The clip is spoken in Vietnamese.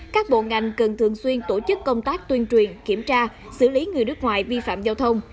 các bộ ngành cần thường xuyên tổ chức công tác tuyên truyền kiểm tra xử lý người nước ngoài vi phạm giao thông